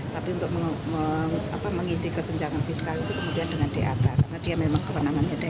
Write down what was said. tapi untuk mengisi kesenjangan fiskal itu kemudian dengan di atas karena dia memang kewenangannya daerah